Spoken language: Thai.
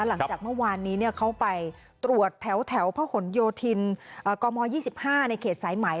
หลังจากเมื่อวานนี้เขาไปตรวจแถวพระหลโยธินกม๒๕ในเขตสายไหม